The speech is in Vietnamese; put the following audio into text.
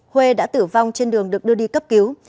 huê đã tử vong trên đường được đưa đi cấp cứu